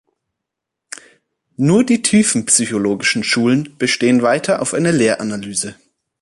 Nur die tiefenpsychologischen Schulen bestehen weiter auf einer Lehranalyse.